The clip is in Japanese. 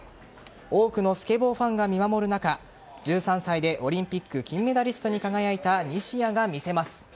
多くのスケボーファンが見守る中１３歳でオリンピック金メダリストに輝いた西矢が見せます。